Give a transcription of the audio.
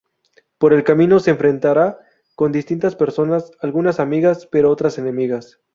Por el camino se enfrentará con distintas personas, algunas amigas, pero otras enemigas.